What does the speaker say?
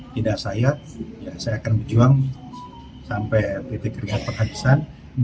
tidak saya akan berjuang sampai titik keringan penghabisan